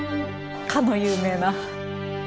かの有名な。